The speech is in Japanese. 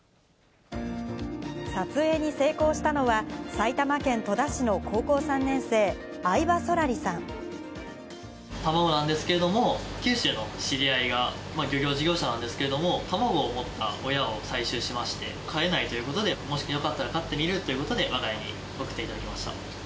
撮影に成功したのは、埼玉県戸田市の高校３年生、卵なんですけれども、九州の知り合いが、漁業事業者なんですけど、卵を持った親を採取しまして、飼えないということで、もしよかったら飼ってみる？ということで、わが家に送っていただきました。